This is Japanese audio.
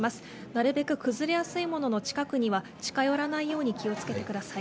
なるべく崩れやすい物の近くには近寄らないように気を付けてください。